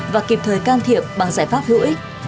và kịp thời can thiệp bằng giải pháp hữu ích